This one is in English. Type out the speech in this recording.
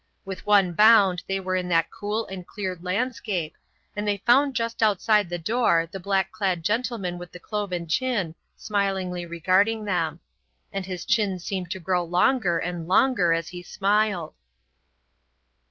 With one bound they were in that cool and cleared landscape, and they found just outside the door the black clad gentleman with the cloven chin smilingly regarding them; and his chin seemed to grow longer and longer as he smiled.